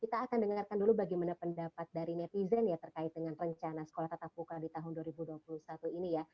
kita akan dengarkan dulu bagaimana pendapat dari netizen ya terkait dengan rencana sekolah tatap muka di tahun dua ribu dua puluh satu ini ya